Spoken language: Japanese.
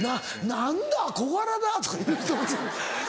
「何だ小柄だ」とか言う人いる。